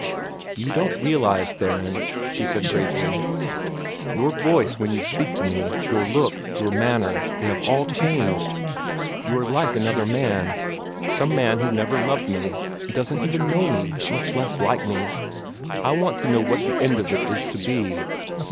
"You don't realize, Theron," she said gravely; "your voice when you speak to me, your look, your manner, they have all changed. You are like another man some man who never loved me, and doesn't even know me, much less like me. I want to know what the end of it is to be.